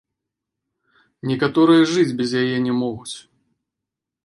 Некаторыя жыць без яе не могуць.